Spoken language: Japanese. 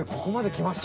きました。